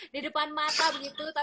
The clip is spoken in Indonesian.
di depan mata begitu